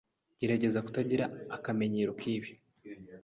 Gerageza kutagira akamenyero kibi.